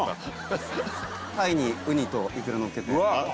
タイにウニとイクラのっけてうわあ